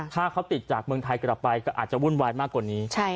ถ้าเขาติดจากเมืองไทยกลับไปก็อาจจะวุ่นวายมากกว่านี้